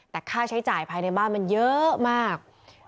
แต่ค่าใช้จ่ายภายในบ้านมันเยอะมาก